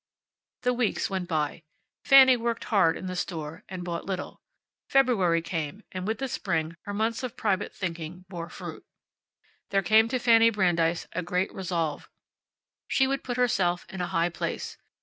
The weeks went by. Fanny worked hard in the store, and bought little. February came, and with the spring her months of private thinking bore fruit. There came to Fanny Brandeis a great resolve. She would put herself in a high place.